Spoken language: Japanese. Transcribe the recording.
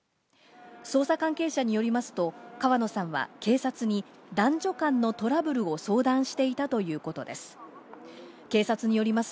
捜査関係者によりますと川野さんは警察に男女間のトラブルを相談していたということです。